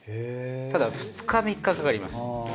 ただ２日３日かかります。